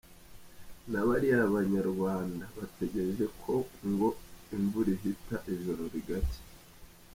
Ni Bariya banyarwanda bategereje ko ngo “imvura ihita, ijoro rigacya”.